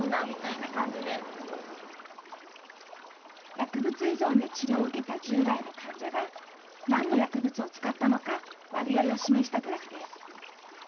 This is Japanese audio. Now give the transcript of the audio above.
薬物依存で治療を受けた１０代の患者が、何の薬物を使ったのか割合を示したグラフです。